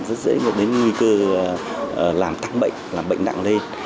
rất dễ dẫn đến nguy cơ làm tăng bệnh làm bệnh nặng lên